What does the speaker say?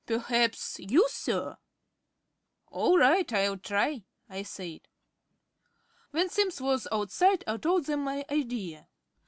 "Perhaps you, Sir?" "All right, I'll try," I said. When Simms was outside I told them my idea.